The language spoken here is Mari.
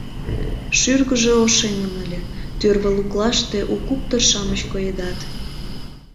Шӱргыжӧ ошемын ыле, тӱрвӧ луклаште у куптыр-шамыч коедат.